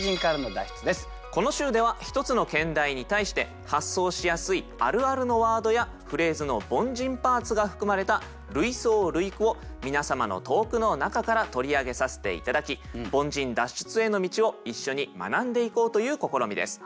この週では１つの兼題に対して発想しやすいあるあるのワードやフレーズの凡人パーツが含まれた類想類句を皆様の投句の中から取り上げさせて頂き凡人脱出への道を一緒に学んでいこうという試みです。